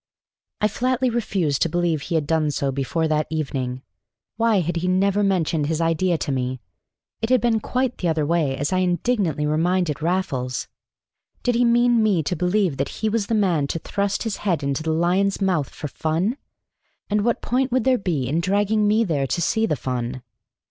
I flatly refused to believe he had done so before that evening. Why had he never mentioned his idea to me? It had been quite the other way, as I indignantly reminded Raffles. Did he mean me to believe he was the man to thrust his head into the lion's mouth for fun? And what point would there be in dragging me there to see the fun?